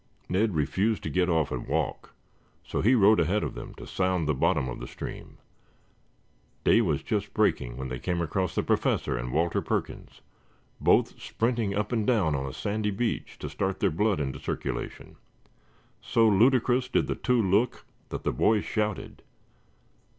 Ned refused to get off and walk, so he rode ahead of them to sound the bottom of the stream. Day was just breaking when they came across the Professor and Walter Perkins, both sprinting up and down on a sandy beach to start their blood into circulation. So ludicrous did the two look that the boys shouted.